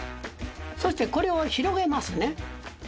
そしてこれを広げますね。